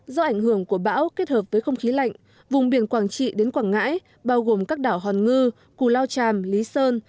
do ảnh hưởng của bão kết hợp với không khí lạnh vùng biển quảng trị đến quảng ngãi bao gồm các đảo hòn ngư cù lao tràm lý sơn